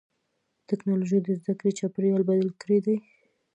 ټکنالوجي د زدهکړې چاپېریال بدل کړی دی.